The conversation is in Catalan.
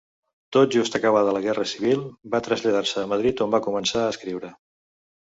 Tot just acabada la guerra civil va traslladar-se a Madrid on va començar a escriure.